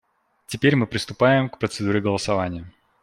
Теперь мы приступаем к процедуре голосования.